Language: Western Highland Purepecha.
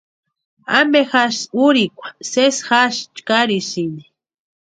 ¿Ampe jasï urhikwa sési jasï chkarisïni?